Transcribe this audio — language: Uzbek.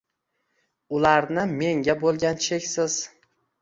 Ularni menga bo‘lgan cheksiz.